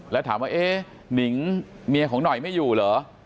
แล้วถามว่าเอ๊ะหนิงเมียของหน่อยไม่อยู่เหรอ